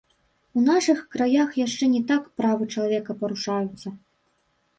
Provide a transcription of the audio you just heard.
У нашых краях яшчэ не так правы чалавека парушаюцца.